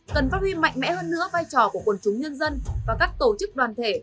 cần phát huy mạnh mẽ hơn nữa vai trò của quần chúng nhân dân và các tổ chức đoàn thể